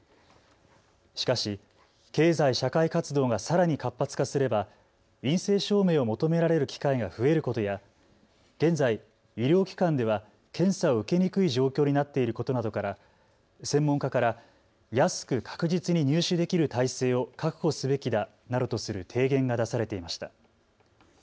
しかし経済社会活動がさらに活発化すれば陰性証明を求められる機会が増えることや現在、医療機関では検査を受けにくい状況になっていることなどから専門家から安く確実に入手できる体制を確保すべきだなどとする提言が出されていました。